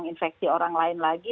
menginfeksi orang lain lagi